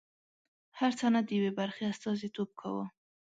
هر سند د یوې برخې استازیتوب کاوه.